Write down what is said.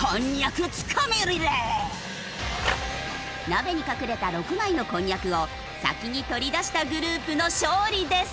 鍋に隠れた６枚のこんにゃくを先に取り出したグループの勝利です。